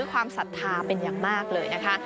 ความศรัทธาเป็นอย่างมากเลยนะคะ